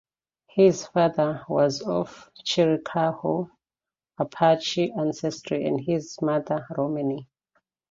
His father was of Chiricahua Apache ancestry and his mother Romany.